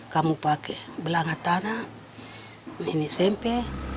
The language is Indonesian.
kamu pakai belanga tanah ini sempe